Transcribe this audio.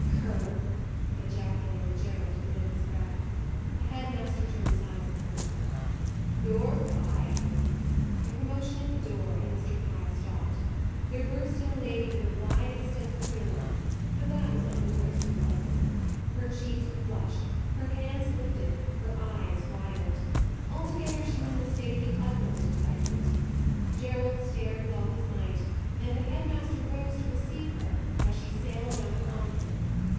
"Cur!" ejaculated Gerald, below his breath. The head master turned his eyes upon him. "Yorke, I " A commotion at the door, and Mr. Pye stopped. There burst in a lady with a wide extent of crinoline, but that was not the worst of the bustle. Her cheeks were flushed, her hands lifted, her eyes wild; altogether she was in a state of the utmost excitement. Gerald stared with all his might, and the head master rose to receive her as she sailed down upon him.